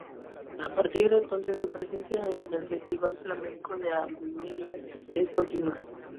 A partir de entonces, su presencia en el Festival Flamenco de Almería es continua.